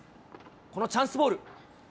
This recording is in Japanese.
このチャンスボール。